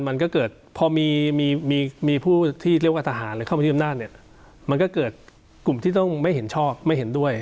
มันก็เกิดกลุ่มที่เราไม่เห็นชอบไม่เห็นด้วย